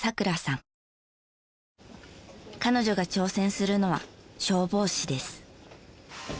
彼女が挑戦するのは消防士です。